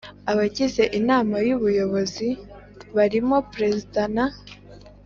Abagize Inama y Ubuyobozi barimo Perezida na